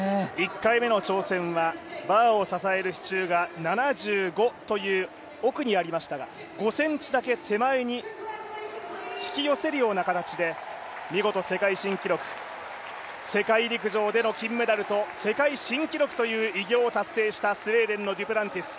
１回目の挑戦をバーを支える支柱が７５という奥にありましたが、５ｃｍだけ手前に引き寄せるような形で見事世界新記録、世界陸上での金メダル、世界新記録という偉業を達成したスウェーデンのデュプランティス。